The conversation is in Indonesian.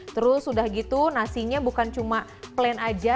terus sudah gitu nasinya bukan cuma plan aja